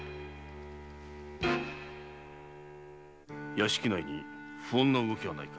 屋敷内に不穏な動きはないか？